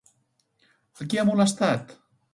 A qui ha molestat?